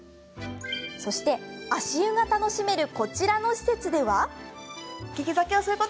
そして、足湯が楽しめるこちらの施設では。